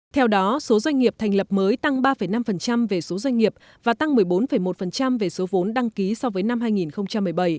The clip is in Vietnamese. theo đó số doanh nghiệp thành lập mới tăng ba năm về số doanh nghiệp và tăng một mươi bốn một về số vốn đăng ký so với năm hai nghìn một mươi bảy